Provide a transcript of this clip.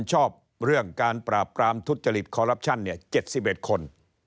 ชอบเรื่องการปราบปรามทุจริตคอรัปชั่น๗๑คน